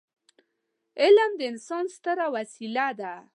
علم د انسان ستره وسيله ده.